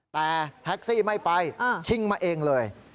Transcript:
แต่แท็กซี่ไม่ไปชิงมาเองเลย